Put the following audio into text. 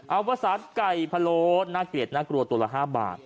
เอาภาษาไก่พะโล้น่าเกลียดน่ากลัวตัวละ๕บาท